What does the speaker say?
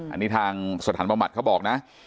อันนี้ทางสถานประมบัติเขาบอกนะ